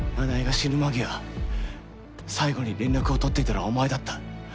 奈々江が死ぬ間際最後に連絡を取っていたのはお前だった。